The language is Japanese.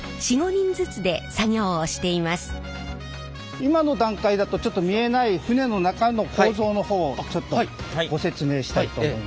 今の段階だとちょっと見えない船の中の構造の方をご説明したいと思います。